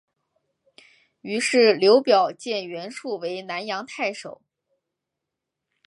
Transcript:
于是刘表荐袁术为南阳太守。